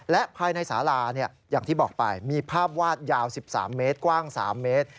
และภายในสาราอย่างที่บอกไปมีภาพวาดยาว๑๓เมตรกว้าง๓เมตร